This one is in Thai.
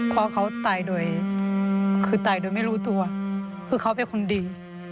เพราะเขาตายโดยคือตายโดยไม่รู้ตัวคือเขาเป็นคนดี